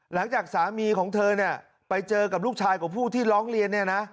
หลังจากสามีของเธอไปเจอกับลูกชายกับผู้ที่ร้องเรียน